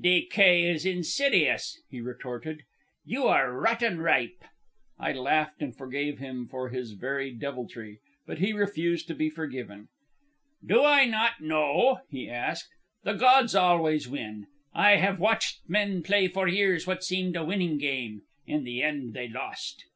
"Decay is insidious," he retorted. "You are rotten ripe." I laughed and forgave him for his very deviltry. But he refused to be forgiven. "Do I not know?" he asked. "The gods always win. I have watched men play for years what seemed a winning game. In the end they lost."